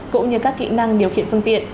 cũng như các kỹ năng điều khiển phương tiện